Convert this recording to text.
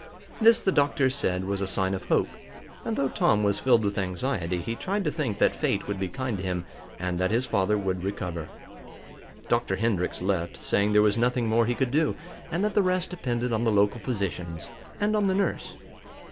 This the doctors said was a sign of hope, and, though Tom was filled with anxiety, he tried to think that fate would be kind to him, and that his father would recover. Dr. Hendrix left, saying there was nothing more he could do, and that the rest depended on the local physicians, and on the nurse.